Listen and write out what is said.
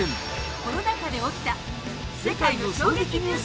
コロナ下で起きた世界の衝撃ニュース